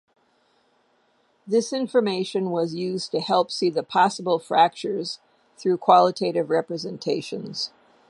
This information was used to help see the possible fractures through qualitative representations.